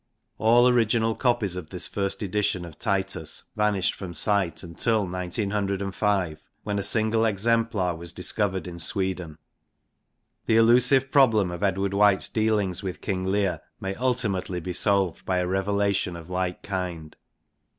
All original copies of this first edition of Titus vanished from sight until 1905, when a single exemplar was discovered in Sweden. The elusive problem of Edward White's dealings with King Leir may ultimately be solved by a revelation of like kind.